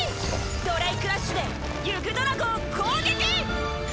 ドライクラッシュでユグドラゴを攻撃！